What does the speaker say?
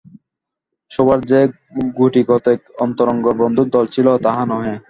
সুভার যে গুটিকতক অন্তরঙ্গ বন্ধুর দল ছিল না, তাহা নহে।